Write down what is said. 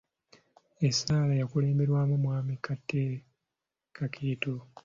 Essaala yakulemberwa mwami Kakeeto.